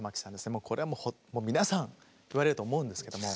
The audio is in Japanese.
もうこれはもう皆さん言われると思うんですけども。